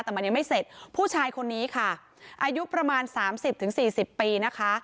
แต่มันยังไม่เสร็จผู้ชายคนนี้ค่ะอายุประมาณ๓๐๔๐ปีนะคะ